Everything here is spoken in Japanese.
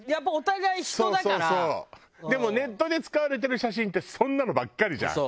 でもネットで使われてる写真ってそんなのばっかりじゃん。